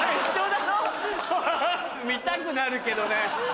見たくなるけどね。